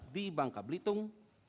di bangka belitung